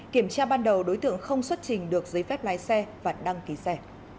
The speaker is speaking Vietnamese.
kiểm tra ban đầu đối tượng không xuất trình được giấy phép lái xe và đăng ký xe